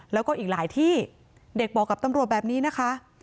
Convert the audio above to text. แล้วก็อีกหลายที่เด็กบอกกับตำรวจแบบนี้นะคะ